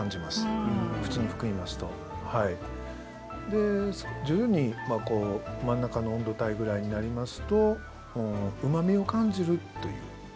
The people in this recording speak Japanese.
で徐々に真ん中の温度帯ぐらいになりますとうまみを感じるという。